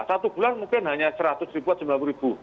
satu bulan mungkin hanya seratus ribu atau sembilan puluh ribu